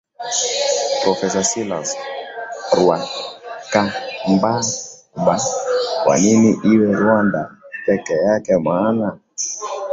professa silas rwakambaba kwa nini iwe rwanda peke yake maana